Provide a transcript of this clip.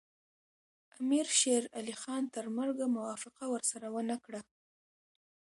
امیر شېر علي خان تر مرګه موافقه ورسره ونه کړه.